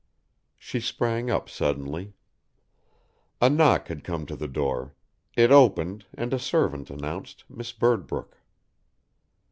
She sprang up suddenly. A knock had come to the door, it opened and a servant announced Miss Birdbrook.